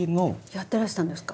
やってらしたんですか？